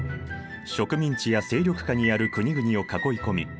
植民地や勢力下にある国々を囲い込み